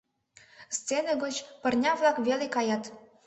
Сцене гоч пырня-влак веле каят.